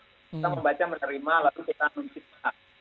kita membaca menerima lalu kita mencipta